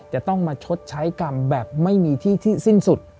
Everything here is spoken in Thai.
จะต้องมาชดใช้กรรมแบบไม่มีที่ที่สิ้นสุด